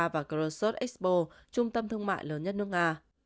và krosot expo trung tâm thương mại lớn nhất nước nga